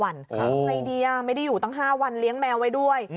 ทำไงดีไม่ได้อยู่ตั้ง๕วันเลี้ยงแมวไว้ด้วย